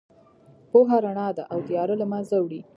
پوهه رڼا ده او تیاره له منځه وړي.